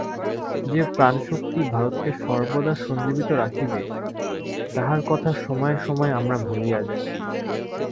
যে প্রাণশক্তি ভারতকে সর্বদা সঞ্জীবিত রাখিবে, তাহার কথা সময়ে সময়ে আমরা ভুলিয়া যাই।